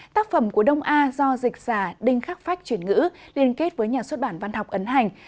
tác phẩm của đông a do dịch giả đinh khắc phách chuyển ngữ liên kết với nhà xuất bản văn học ấn hành